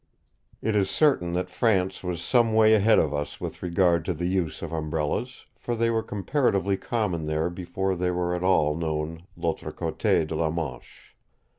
It is certain that France was some way ahead of us with regard to the use of Umbrellas, for they were comparatively common there before they were at all known l'autre côté 'de la Manche.